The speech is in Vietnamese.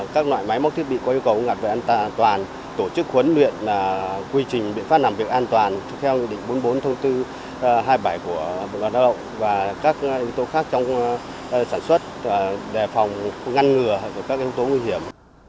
các loại máy móc thiết bị có yêu cầu ngặt về an toàn tổ chức huấn luyện quy trình biện pháp làm việc an toàn theo nghị định bốn mươi bốn thông tư hai mươi bảy của bộ đoàn lao động và các yếu tố khác trong sản xuất đề phòng ngăn ngừa các yếu tố nguy hiểm